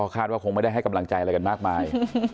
คาดว่าคงไม่ได้ให้กำลังใจอะไรกันมากมาย